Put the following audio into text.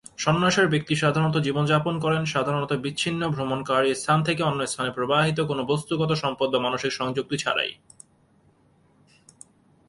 সন্ন্যাস-এর ব্যক্তি সাধারণ জীবনযাপন করেন, সাধারণত বিচ্ছিন্ন, ভ্রমণকারী, স্থান থেকে অন্য স্থানে প্রবাহিত, কোনো বস্তুগত সম্পদ বা মানসিক সংযুক্তি ছাড়াই।